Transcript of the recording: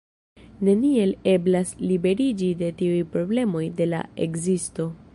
Neniel eblas liberiĝi de tiuj problemoj de la ekzisto.